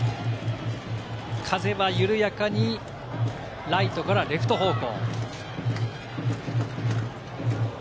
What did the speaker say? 風は緩やかにライトからレフト方向。